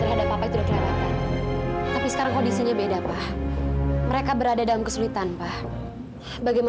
udah sana pergi gi